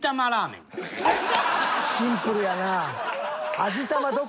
シンプルやな。